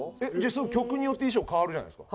それ曲によって衣装変わるじゃないですか。